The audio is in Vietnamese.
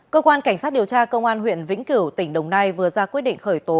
cơ quan cảnh sát điều tra công an huyện vĩnh cửu tỉnh đồng nai vừa ra quyết định khởi tố